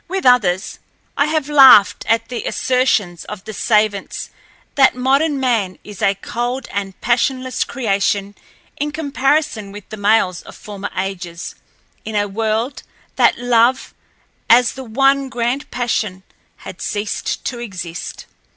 With others, I have laughed at the assertions of the savants that modern man is a cold and passionless creation in comparison with the males of former ages—in a word, that love, as the one grand passion, had ceased to exist.